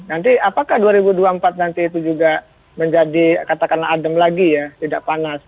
nanti apakah dua ribu dua puluh empat nanti itu juga menjadi katakanlah adem lagi ya tidak panas